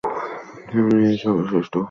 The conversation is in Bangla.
জীবনে ইহারই সর্বশ্রেষ্ঠ উপযোগিতা আছে।